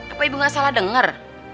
apa ibu gak salah dengar